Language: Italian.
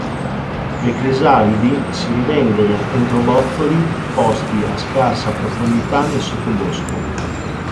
Le crisalidi si rinvengono entro bozzoli posti a scarsa profondità nel sottobosco.